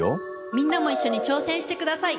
みんなもいっしょに挑戦してください！